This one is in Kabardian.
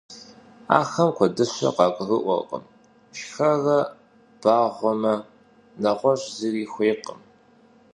Ахэм куэдыщэ къагурыӀуэркъым, шхэрэ багъуэмэ, нэгъуэщӀ зыри хуейкъым.